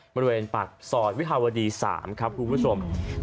บริเวณปากซอยวิภาวดี๓ครับคุณผู้ชม